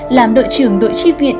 làm đội trưởng đội tri viện